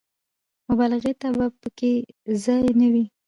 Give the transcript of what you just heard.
مبالغې ته به په کې ځای نه وي.